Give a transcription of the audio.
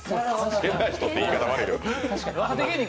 変な人って言い方悪いけど。